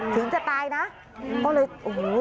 ถึงจะตายนะก็เลยโอ้โห